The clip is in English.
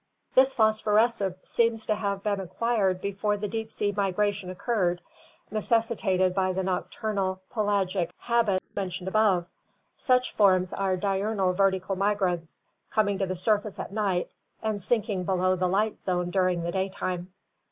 This phosphorescence seems to have been acquired before the deep sea migration occurred, necessitated by the nocturnal pelagic habits mentioned above. Such forms are diurnal vertical migrants, coming to the surface at night and sinking below the light zone during the daytime.